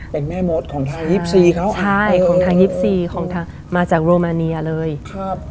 เป็นแม่มดของทางยิปซีเขาใช่ของทางยิปซีของทางมาจากโรมาเนียเลยครับ